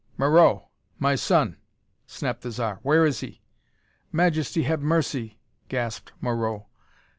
"Moreau my son!" snapped the Zar. "Where is he?" "Majesty! Have mercy!" gasped Moreau.